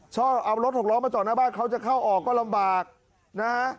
ชอบเอารถหกล้อมาจอดหน้าบ้านเขาจะเข้าออกก็ลำบากนะฮะ